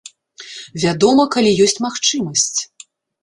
Вядома, калі ёсць магчымасць.